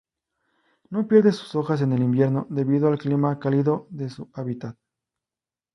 No pierde sus hojas en el invierno, debido al clima cálido de su hábitat.